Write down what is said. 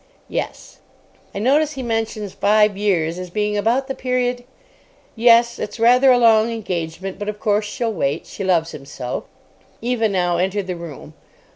"Yes." "I notice he mentions five years as being about the period——" "Yes; it's rather a long engagement, but, of course, she'll wait, she loves him so." Eva now entered the room.